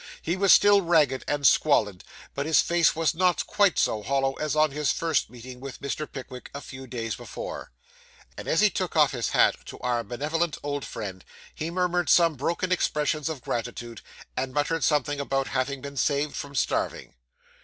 He was still ragged and squalid, but his face was not quite so hollow as on his first meeting with Mr. Pickwick, a few days before. As he took off his hat to our benevolent old friend, he murmured some broken expressions of gratitude, and muttered something about having been saved from starving.